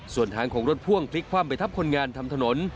ส่วนทางของรถพ่วงพลิกคว่ำไปทับคนงานทำถนน